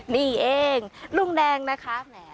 นี่เองลุงแดงนะคะแหม